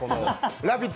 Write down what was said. ラヴィット！